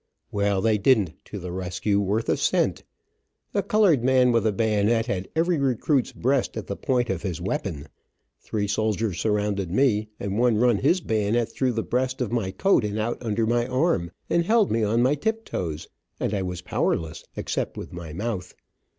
Well, they didn't "to the rescue" worth a cent. A colored man with a bayonet had every recruit's breast at the point of his weapon, three soldiers surrounded me, and one run his bayonet through the breast of my coat and out under my arm, and held me on my tip toes, and I was powerless, except with my mouth.